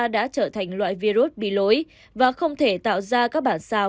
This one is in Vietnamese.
đã trở thành loại virus bị lối và không thể tạo ra các bản sao